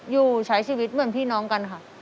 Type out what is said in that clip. อยู่ใช้ชีวิตเหมือนพี่น้องกันค่ะ